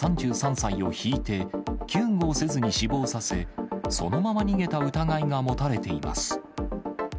３３歳をひいて、救護をせずに死亡させ、そのまま逃げた疑いが持たれています。